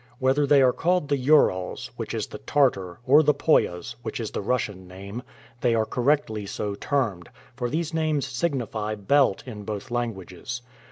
Whether they are called the Urals, which is the Tartar, or the Poyas, which is the Russian name, they are correctly so termed; for these names signify "belt" in both languages.